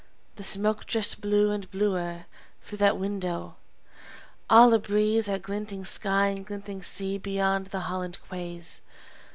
The smoke drifts blue, and bluer through that window, all abreeze, Are glinting sky and glistening sea beyond the Holland quays.